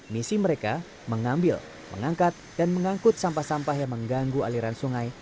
misi mereka mengambil mengangkat dan mengangkut sampah sampah yang mengganggu aliran sungai